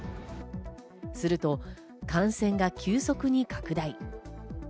すると感染が急速に拡大。